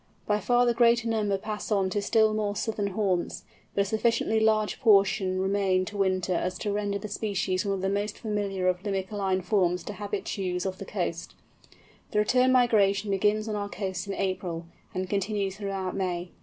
By far the greater number pass on to still more southern haunts, but a sufficiently large portion remain to winter as to render the species one of the most familiar of Limicoline forms to habitues of the coast. The return migration begins on our coasts in April, and continues throughout May.